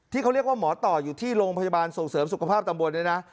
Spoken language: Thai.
ที่เขาเรียกว่าหมอต่ออยู่ที่โรงพยาบาลส่งเสริมสุขภาพตำบลเนี่ยนะ